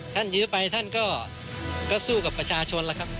ยื้อไปท่านก็สู้กับประชาชนแล้วครับ